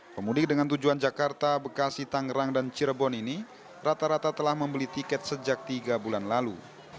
pemudik dengan tujuan jakarta bekasi tangerang dan cirebon ini rata rata telah membeli tiket sejak tiga bulan lalu